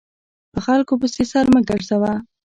په خلکو پسې سر مه ګرځوه !